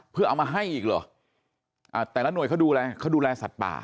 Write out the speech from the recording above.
เพื่อเอามาให้อีกหรือแต่ละหน่วยเขาดูแลสัตว์ป่า